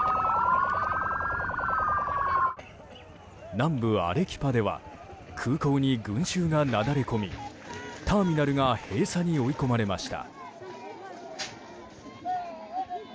南部アレキパでは空港に群衆がなだれ込みターミナルが閉鎖に追い込まれました。